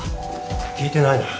聞いてないな。